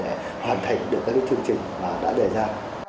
để hoàn thành được các chương trình mà đã đề ra